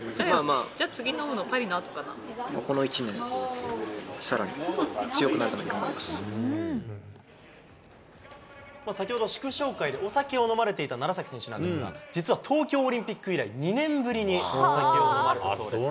じゃあ次飲むのは、パリのあこの１年でさらに強くなるた先ほど、祝勝会でお酒を飲まれていた楢崎選手なんですが、実は東京オリンピック以来、２年ぶりにお酒を飲まれたそうです。